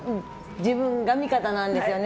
自分が味方なんですよね。